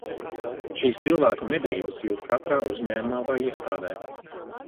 Šīs cilvēku medības jūt katrā uzņēmumā vai iestādē.